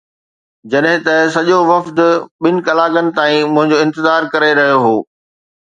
جڏهن ته سڄو وفد ٻن ڪلاڪن تائين منهنجو انتظار ڪري رهيو هو